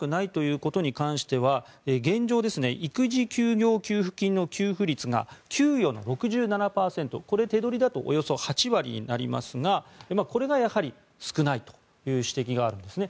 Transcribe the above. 収入を減らしたくないということに関しては現状、育児休業給付金の給付率が給与の６７％これ、手取りだとおよそ８割になりますがこれがやはり少ないという指摘があるんですね。